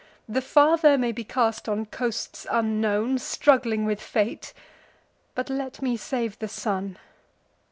The father may be cast on coasts unknown, Struggling with fate; but let me save the son.